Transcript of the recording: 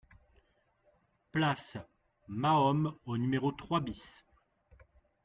Place Mahomme au numéro trois BIS